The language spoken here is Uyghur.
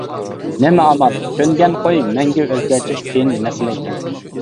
نېمە ئامال؟ كۆنگەن خۇي مەڭگۈ ئۆزگەرتىش قىيىن مەسىلە ئىكەن.